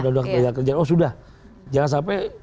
undang undang kerjaan oh sudah jangan sampai